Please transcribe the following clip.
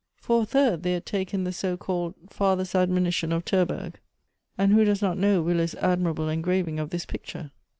For a third they had taken the so called "Father's Admonition" of Tei burg, and who does not know Wille's Elective Affinities. 197 admirable engraving of this picture?